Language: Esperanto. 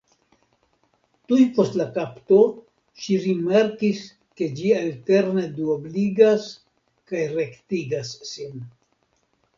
Tuj post la kapto ŝi rimarkis ke ĝi alterne duobligas kaj rektigas sin.